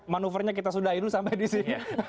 manuvernya kita sudahi dulu sampai di sini